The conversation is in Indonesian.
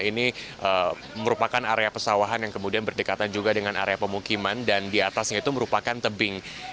ini merupakan area pesawahan yang kemudian berdekatan juga dengan area pemukiman dan diatasnya itu merupakan tebing